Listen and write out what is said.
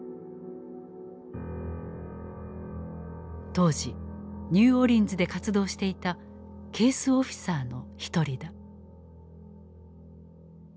当時ニューオリンズで活動していたケース・オフィサーの１人だ。